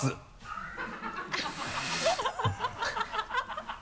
ハハハ